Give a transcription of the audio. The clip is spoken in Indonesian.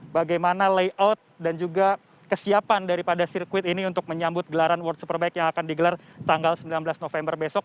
bagaimana layout dan juga kesiapan daripada sirkuit ini untuk menyambut gelaran world superbike yang akan digelar tanggal sembilan belas november besok